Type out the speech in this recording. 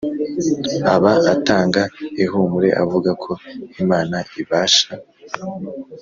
Aba atanga ihumure avuga ko Imana ibasha